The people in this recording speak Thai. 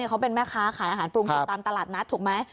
เขาเป็นแม่ค้าขายอาหารปรุงสุกตามตลาดนัดถูกไหม